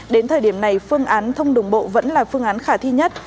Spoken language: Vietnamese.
đến thời điểm này phương án thông đường bộ vẫn là phương án khả thi nhất